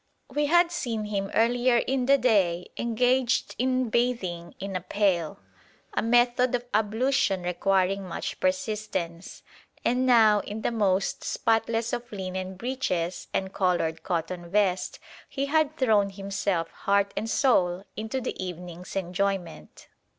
We had seen him earlier in the day engaged in bathing in a pail, a method of ablution requiring much persistence. And now, in the most spotless of linen breeches and coloured cotton vest, he had thrown himself heart and soul into the evening's enjoyment.